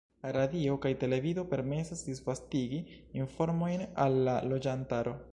Radio kaj televido permesas disvastigi informojn al la loĝantaro.